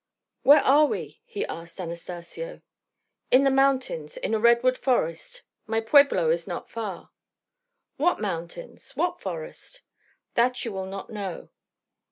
"Where are we?" he asked Anastacio. "In the mountains, in a redwood forest. My pueblo is not far." "What mountains? What forest?" "That you will not know."